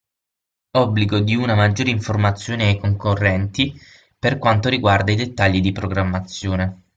Obbligo di una maggiore informazione ai concorrenti per quanto riguarda i dettagli di programmazione.